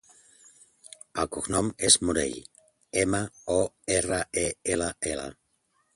El cognom és Morell: ema, o, erra, e, ela, ela.